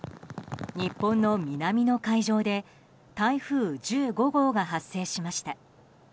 日本の南の海上で台風１５号が発生しました。